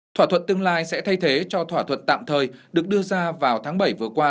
thỏa thuận tương lai sẽ thay thế cho thỏa thuận tạm thời được đưa ra vào tháng bảy vừa qua